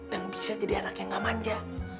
dan bisa jadi anak yang nggak manja